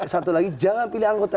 satu lagi jangan pilih anggota